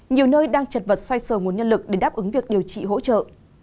nhiều nơi đang chật vật xoay sờ nguồn nhân lực để đáp ứng việc điều trị hỗ trợ